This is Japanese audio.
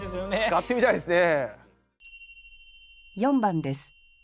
使ってみたいですね。